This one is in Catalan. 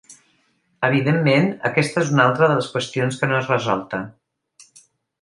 Evidentment aquesta és una altra de les qüestions que no és resolta.